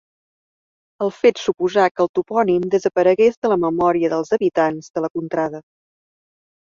El fet suposà que el topònim desaparegués de la memòria dels habitants de la contrada.